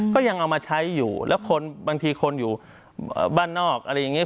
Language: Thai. ก็ยังเอามาใช้อยู่แล้วคนบางทีคนอยู่บ้านนอกอะไรอย่างนี้